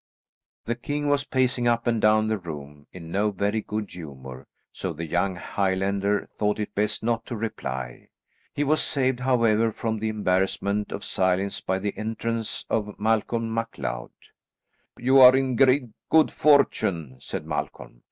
The king was pacing up and down the room in no very good humour, so the young Highlander thought it best not to reply. He was saved however, from the embarrassment of silence by the entrance of Malcolm MacLeod. "You are in great good fortune," said Malcolm.